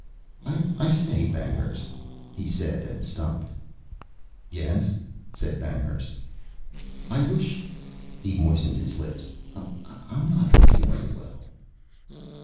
"I say, Banghurst," he said, and stopped. "Yes," said Banghurst. "I wish " He moistened his lips. "I'm not feeling well."